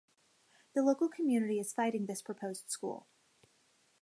The local community is fighting this proposed school.